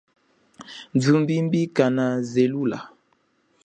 Thumbimbi kana zelula.